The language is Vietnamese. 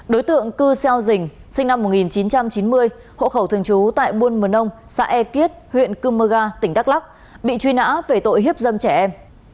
đối tượng cư xeo dình sinh năm một nghìn chín trăm chín mươi hộ khẩu thường trú tại buôn mờ nông xã e kiết huyện cư mơ ga tỉnh đắk lắc bị truy nã về tội hiếp dâm trẻ em